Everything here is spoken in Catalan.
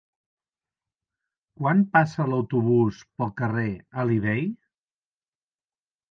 Quan passa l'autobús pel carrer Alí Bei?